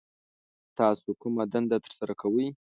تاسو کومه دنده ترسره کوي